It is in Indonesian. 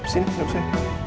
sini hadap saya